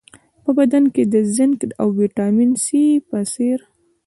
په بدن کې د زېنک او ویټامین سي په څېر